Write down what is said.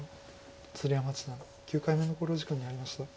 鶴山八段９回目の考慮時間に入りました。